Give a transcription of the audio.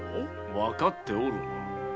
分かっておる。